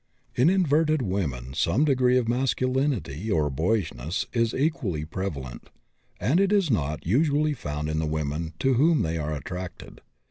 In inverted women some degree of masculinity or boyishness is equally prevalent, and it is not usually found in the women to whom they are attracted.